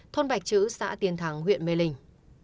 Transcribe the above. thôn bạch chữ xã tiên thắng huyện mê lình